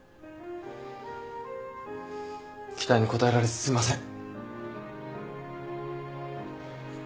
期待に応えられずすいません